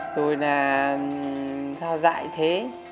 rồi là sao dại thế